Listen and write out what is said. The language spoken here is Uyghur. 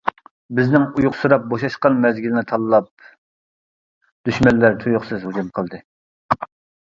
بىزنىڭ ئۇيقۇسىراپ بوشاشقان مەزگىلنى تاللاپ دۈشمەنلەر تۇيۇقسىز ھۇجۇم قىلدى.